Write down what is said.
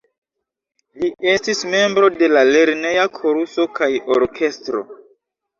Li estis membro de la lerneja koruso kaj orkestro.